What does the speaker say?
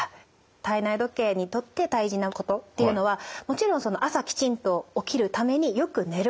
体内時計にとって大事なことっていうのはもちろん朝きちんと起きるためによく寝ること